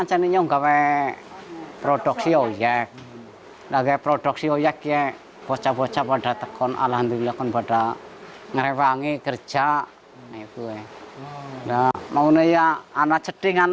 jadi ini anak anaknya tidak punya oyek